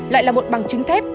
lại là một bằng chứng thép